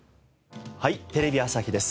『はい！テレビ朝日です』